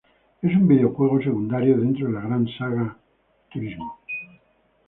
Es un videojuego secundario dentro de la saga Gran Turismo.